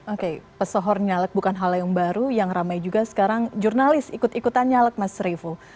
oke pesohor nyalek bukan hal yang baru yang ramai juga sekarang jurnalis ikut ikutan nyalek mas revo